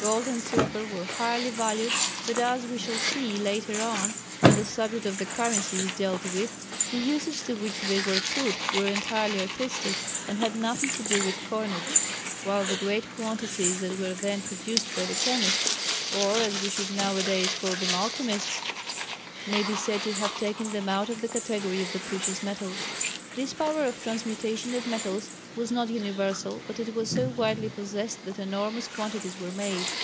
Gold and silver were highly valued, but as we shall see later on when the subject of the currency is dealt with, the uses to which they were put were entirely artistic and had nothing to do with coinage, while the great quantities that were then produced by the chemists or as we should now a days call them alchemists may be said to have taken them out of the category of the precious metals. This power of transmutation of metals was not universal, but it was so widely possessed that enormous quantities were made.